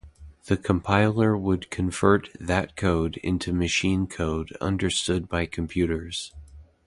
The compiler would convert that code into machine code understood by computers.